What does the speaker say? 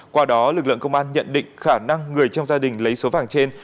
qua đó lực lượng công an nhận định khả năng người trong gia đình lấy số vàng trên